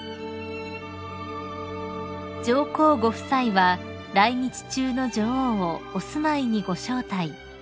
［上皇ご夫妻は来日中の女王をお住まいにご招待］